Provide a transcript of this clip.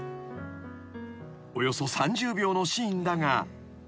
［およそ３０秒のシーンだが］